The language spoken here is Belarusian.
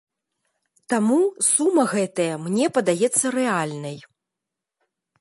Таму, сума гэтая мне падаецца рэальнай.